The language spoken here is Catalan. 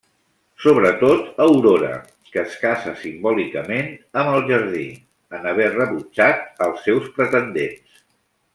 Sobretot Aurora, que es casa simbòlicament amb el jardí, en haver rebutjat als seus pretendents.